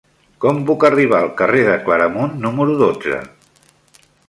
Com puc arribar al carrer de Claramunt número dotze?